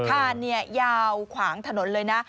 ค่านี้ยาวขวางถนนเลยนะ